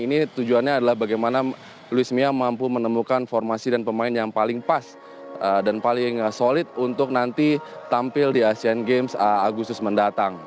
ini tujuannya adalah bagaimana luis mia mampu menemukan formasi dan pemain yang paling pas dan paling solid untuk nanti tampil di asean games agustus mendatang